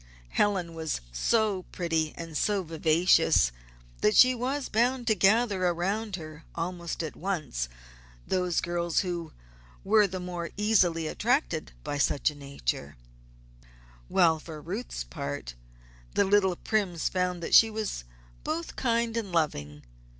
Helen was so pretty and so vivacious, that she was bound to gather around her almost at once those girls who were the more easily attracted by such a nature; while for Ruth's part, the little Primes found that she was both kind and loving.